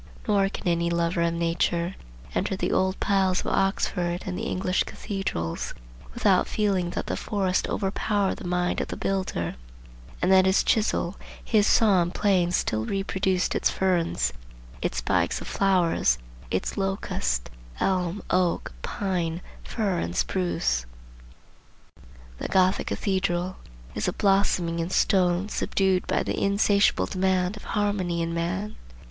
Nor can any lover of nature enter the old piles of Oxford and the English cathedrals, without feeling that the forest overpowered the mind of the builder, and that his chisel, his saw and plane still reproduced its ferns, its spikes of flowers, its locust, elm, oak, pine, fir and spruce. The Gothic cathedral is a blossoming in stone subdued by the insatiable demand of harmony in man.